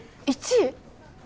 １位？